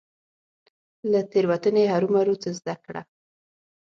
له تيروتني هرمروه څه زده کړه .